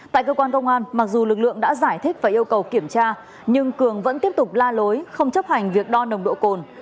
tại cơ quan công an mặc dù lực lượng đã giải thích và yêu cầu kiểm tra nhưng cường vẫn tiếp tục la lối không chấp hành việc đo nồng độ cồn